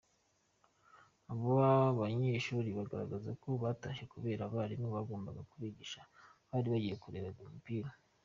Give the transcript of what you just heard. Aba banyeshuri bagaragaza ko batashye kubera ko abarimu bagombaga kubigisha bari bagiye kureba umupira.